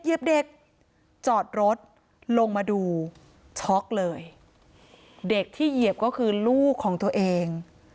เหยียบเด็กจอดรถลงมาดูช็อกเลยเด็กที่เหยียบก็คือลูกของตัวเอง